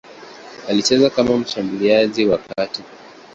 Alicheza kama mshambuliaji wa kati.